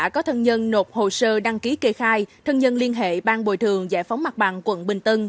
có thân nhân nộp hồ sơ đăng ký kề khai thân nhân liên hệ ban bồi thường giải phóng mặt bằng quận bình tân